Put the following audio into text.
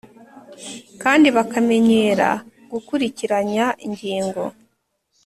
kandi bakamenyera gukurikiranya ingingo